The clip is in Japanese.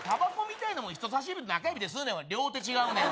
たばこみたいなもん、人さし指と中指で吸うねん、両手違うねん。